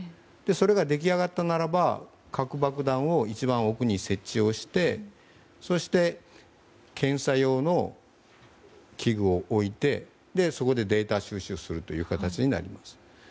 それが出来上がったならば核爆弾を一番奥に設置してそして、検査用の器具を置いてそこでデータ収集するという形になります。